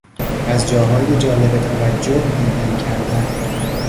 از جاهای جالب توجه دیدن کردن